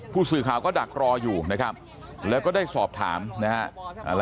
ผู้สื่อข่าวก็ดักรออยู่นะครับแล้วก็ได้สอบถามนะฮะ